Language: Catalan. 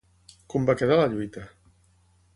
Com va quedar la lluita?